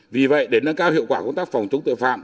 vì vậy để nâng cao hiệu quả công tác phòng chống tội phạm